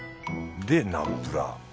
でナンプラー。